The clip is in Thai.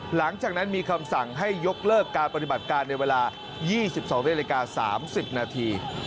หลังจากนั้นมีคำสั่งให้ยกเลิกการปฏิบัติการในเวลา๒๒นาฬิกา๓๐นาที